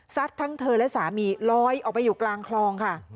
ทั้งเธอและสามีลอยออกไปอยู่กลางคลองค่ะ